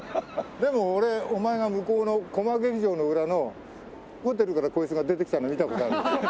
でも俺お前が向こうのコマ劇場の裏のホテルからこいつが出てきたの見た事あるよ。